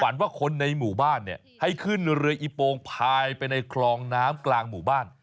ว่าคนในหมู่บ้านเนี่ยให้ขึ้นเรืออีโปงพายไปในคลองน้ำกลางหมู่บ้าน